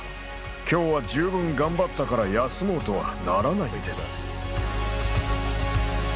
今日は十分頑張ったから休もうとはならないのです。